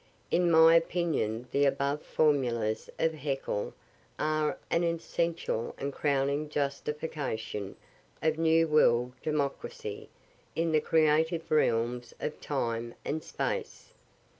In my opinion the above formulas of Hegel are an essential and crowning justification of New World democracy in the creative realms of time and space.